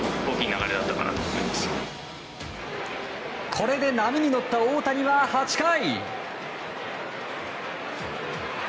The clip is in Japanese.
これで波に乗った大谷は８回。